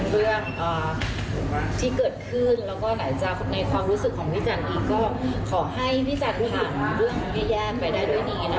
เรื่องอ่าที่เกิดขึ้นแล้วก็หลายจากในความรู้สึกของพี่จันทร์อีกก็ขอให้พี่จันทร์ผ่านรุ่นให้แยกไปได้ด้วยนี้นะครับ